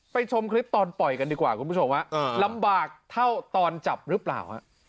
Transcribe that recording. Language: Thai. ชมคลิปตอนปล่อยกันดีกว่าคุณผู้ชมลำบากเท่าตอนจับหรือเปล่า